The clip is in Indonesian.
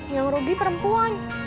yang rugi perempuan